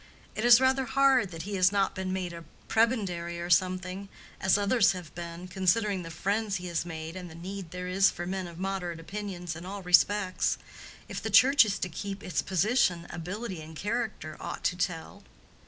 It is rather hard that he has not been made a prebendary or something, as others have been, considering the friends he has made and the need there is for men of moderate opinions in all respects. If the Church is to keep its position, ability and character ought to tell."